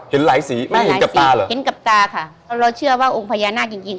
เห็นหลายสีแม่เห็นกับตาเหรอเห็นกับตาค่ะเราเชื่อว่าองค์พญานาคจริงจริง